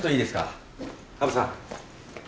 羽生さん。